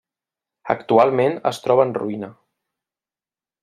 Actualment es troba en ruïna.